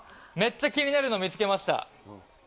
めっちゃ気になるの見つけました。